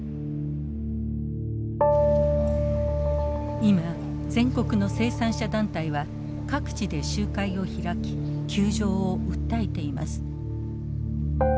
今全国の生産者団体は各地で集会を開き窮状を訴えています。